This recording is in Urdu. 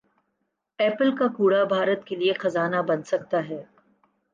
ایپل کا کوڑا بھارت کیلئے خزانہ بن سکتا ہے